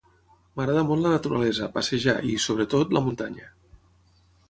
M'agrada molt la naturalesa, passejar i, sobretot, la muntanya.